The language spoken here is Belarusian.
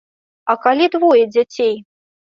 А калі двое дзяцей?